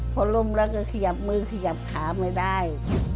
พอล้มแล้วก็ขยับมือขยับขาไม่ได้